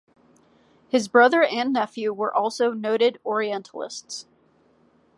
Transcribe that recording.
His brother and nephew were also noted orientalists.